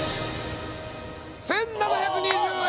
１７２０円！